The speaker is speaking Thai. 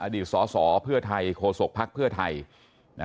อดีตสอสอเพื่อไทยโฆษกภักดิ์เพื่อไทย